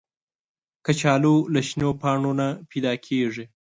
کچالو له شنو پاڼو نه پیدا کېږي